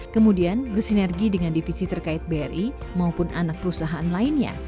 kemudian bersinergi dengan divisi terkait bri maupun anak perusahaan lainnya